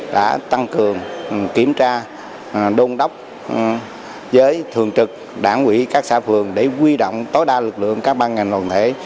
đã tăng cường kiểm tra đôn đốc với thường trực đảng quỹ các xã phường để quy động tối đa lực lượng các ban ngành đoàn thể